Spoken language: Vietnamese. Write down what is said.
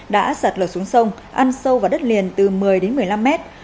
đã sạt lở xuống sông ăn sâu vào đất liền từ một mươi đến một mươi năm mét